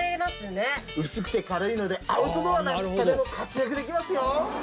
薄くて軽いのでアウトドアなんかでも活躍できますよ。